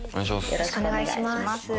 よろしくお願いします。